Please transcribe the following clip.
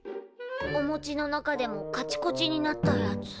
おもちの中でもカチコチになったやつ。